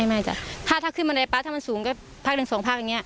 ไม่จ้ะถ้าถ้าขึ้นบันไดป๊าถ้ามันสูงก็ภาคหนึ่งสองภาคอย่างนี้